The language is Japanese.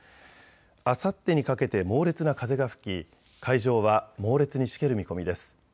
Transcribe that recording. あさってにかけて猛烈な風が吹き海上は猛烈にしける見込みです。